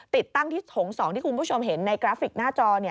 ติดตั้งที่ถง๒ที่คุณผู้ชมเห็นในกราฟิกหน้าจอ